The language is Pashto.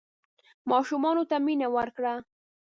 ماشومانو ته مینه ورکړه.